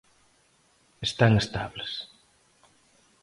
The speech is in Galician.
Están estables.